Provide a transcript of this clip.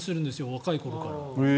若い頃から。